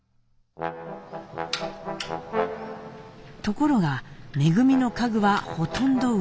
ところが恩の家具はほとんど売れず。